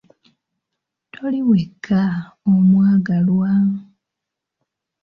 Toli wekka, omwagalwa!